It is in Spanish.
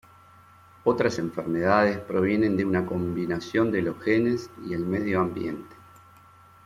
Otras enfermedades provienen de una combinación de los genes y el medio ambiente.